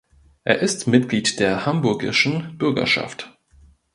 Er ist Mitglied der Hamburgischen Bürgerschaft.